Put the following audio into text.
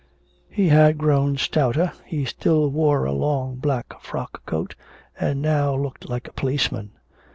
He had grown stouter, he still wore a long black frock coat, and now looked like a policeman.